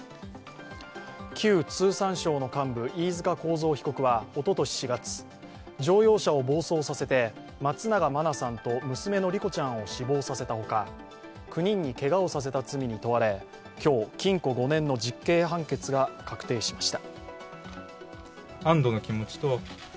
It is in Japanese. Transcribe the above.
旧通産省の幹部、飯塚幸三被告はおととし４月乗用車を暴走させて松永真菜さんと娘の莉子ちゃんを死亡させた他、９人にけがをさせた罪に問われ今日、禁錮５年の実刑判決が確定しました。